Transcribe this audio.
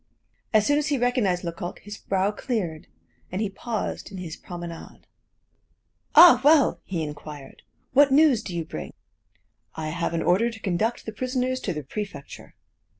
As soon as he recognized Lecoq, his brow cleared, and he paused in his promenade. "Ah, well!" he inquired, "what news do you bring?" "I have an order to conduct the prisoners to the prefecture."